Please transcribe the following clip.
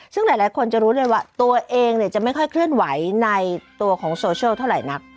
ซึ่งหลายคนจะรู้เลยว่าตัวเองจะไม่ค่อยเคลื่อนไหวในตัวของโซเชียลเท่าไหร่นัก